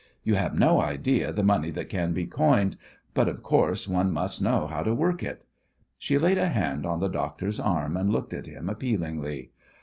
You have no idea the money that can be coined, but, of course, one must know how to work it." She laid a hand on the doctor's arm and looked at him appealingly.